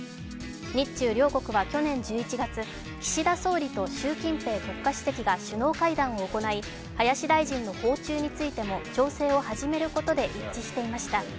日中両国は去年１１月、岸田総理習近平国家主席が首脳会談を行い林大臣の訪中についても調整を始めることで一致していました。